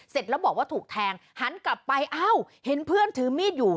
เสร็จแล้วบอกว่าถูกแทงหันกลับไปอ้าวเห็นเพื่อนถือมีดอยู่